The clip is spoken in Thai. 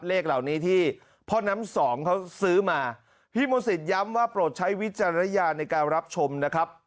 เลขเหล่านี้ที่พ่อน้ำสองเขาซื้อมาพี่มศิษย้ำว่าโปรดใช้วิจารณญาณในการรับชมนะครับ